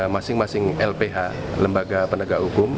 masing masing lph lembaga penegak hukum